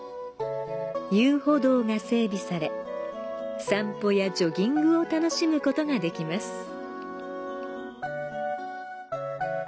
遊歩道が整備され、散歩やジョギングを楽しむことができます。